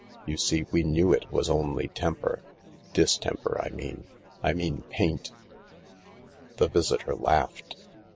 You see, we knew it was only temper ... distemper, I mean. ... I mean paint. .. 68 THE LARK The visitor laughed.